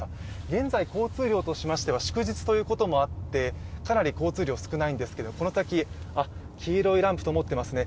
現在交通量としましては祝日ということもあって交通量かなり少ないんですがこの先、黄色いランプともってますね。